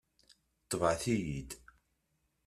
Tebɛet-iyi-d.